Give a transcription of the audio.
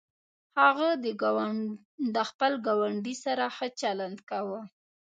هغه د خپل ګاونډي سره ښه چلند کاوه.